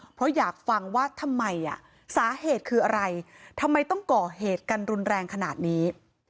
เพราะอยากฟังว่าทำไมสาเหตุคืออะไรทำไมต้องก่อเหตุกันรุนแรงขนาดนี้